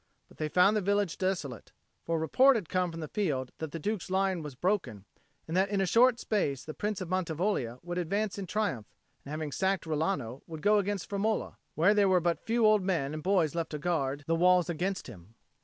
But they found the village desolate; for report had come from the field that the Duke's line was broken, and that in a short space the Prince of Mantivoglia would advance in triumph, and having sacked Rilano, would go against Firmola, where there were but a few old men and boys left to guard the walls against him.